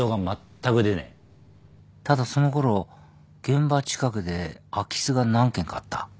ただそのころ現場近くで空き巣が何件かあった。